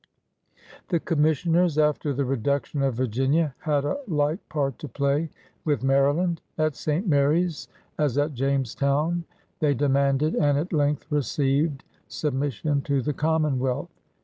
The Commissioners, after the reduction of Vir ginia, had a like part to play with Maryland. At St. Mary's, as at Jamestown, they demanded and at length received submission to the Common wealth.